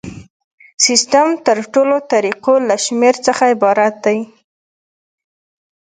سیسټم د تړلو طریقو له شمیر څخه عبارت دی.